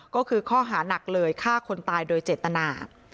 ก็คือข้อหานักเลยฆ่าคนตายโดยเจตนา